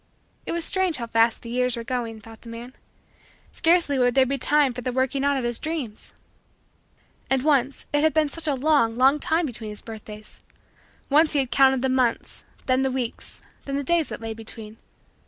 It was strange how fast the years were going, thought the man. Scarcely would there be time for the working out of his dreams. And, once, it had been such a long, long, time between his birthdays. Once, he had counted the months, then the weeks, then the days that lay between.